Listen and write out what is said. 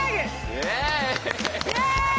イエイ。